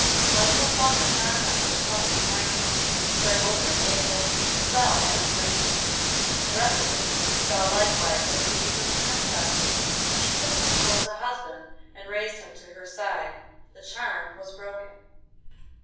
Michael flung the contents of the cup behind him, sprang over the table, and fell at Lina's feet. The rest of the princes fell likewise at the knees of the princesses, each of whom chose a husband and raised him to her side. The charm was broken.